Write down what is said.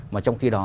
mà trong khi đó